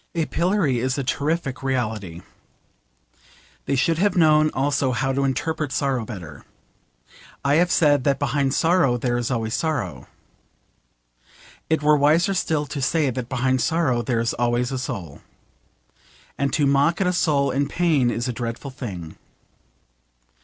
A pillory is a terrific reality. They should have known also how to interpret sorrow better. I have said that behind sorrow there is always sorrow. It were wiser still to say that behind sorrow there is always a soul. And to mock at a soul in pain is a dreadful thing.